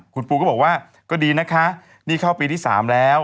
คุณปูก็บอกว่าก็ดีนะคะนี่เข้าปีที่๓แล้ว